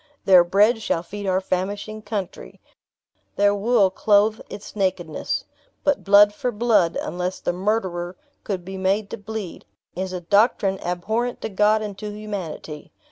Their bread shall feed our famishing country; their wool clothe its nakedness. But blood for blood, unless the murderer could be made to bleed, is a doctrine abhorrent to God and to humanity.